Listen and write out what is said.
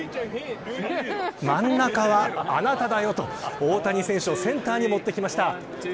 真ん中はあなただよと大谷選手をセンターにもってきました。